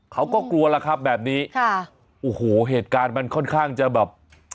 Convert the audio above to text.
เขาก็กลัวแล้วครับแบบนี้ค่ะโอ้โหเหตุการณ์มันค่อนข้างจะแบบ